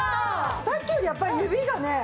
さっきよりやっぱり指がね